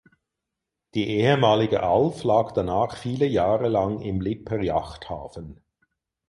Die ehemalige "Alf" lag danach viele Jahre lang im Lipper Yachthafen.